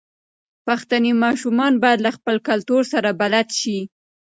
پښتني ماشومان بايد له خپل کلتور سره بلد شي.